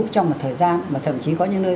trong một thời gian mà thậm chí có những nơi